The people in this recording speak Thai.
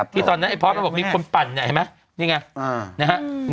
ที่ตอนนั้นพอร์ตบอกว่ามีคนปั่นเห็นไหม